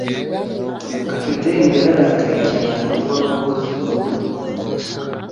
Kapiteni yararakaye cyane yanga guha abakozi bo ku nkombe.